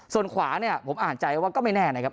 ส่วนขวาเนี่ยผมอ่านใจว่าก็ไม่แน่นะครับ